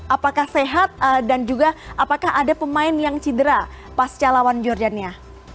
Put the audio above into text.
apakah sehat dan juga apakah ada pemain yang cedera pas calawan jordannya